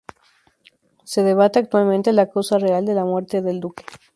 Se debate actualmente la causa real de la muerte del duque.